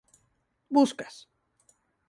buscas;